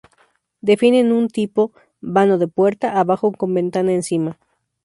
Definen un tipo: vano de puerta abajo con ventana encima.